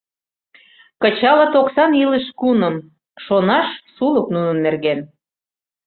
«Кычалыт оксан илыш куным», Шонаш сулык нунын нерген.